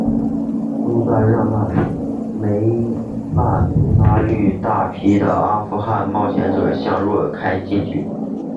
苏丹让那腊梅拉率领大批的阿富汗冒险者向若开进军。